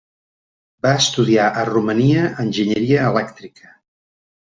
Va estudiar a Romania enginyeria elèctrica.